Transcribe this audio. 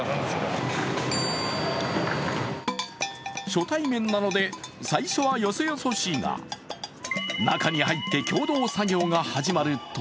初対面なので、最初はよそよそしいが中に入って共同作業が始まると